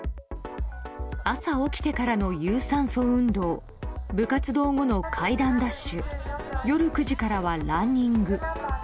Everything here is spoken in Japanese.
朝起きてからの有酸素運動部活動後の階段ダッシュ夜９時からはランニング。